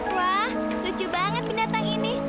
wah lucu banget binatang ini